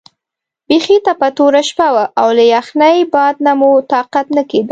بیخي تپه توره شپه وه او له یخنۍ باد نه مو طاقت نه کېده.